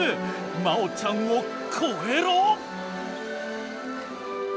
真央ちゃんを超えろ！